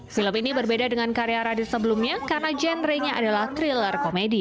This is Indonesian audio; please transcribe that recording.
film ini berbeda dengan karya radit sebelumnya karena genre nya adalah thriller komedi